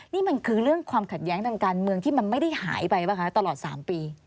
นี่มันคือเรื่องความขัดแย้งทางการเมืองที่มันไม่ได้หายไปป่ะคะตลอด๓ปี